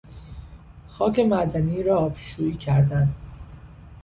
خاک معدنی را آبشویی کردن